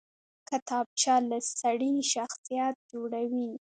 کتابچه له سړي شخصیت جوړوي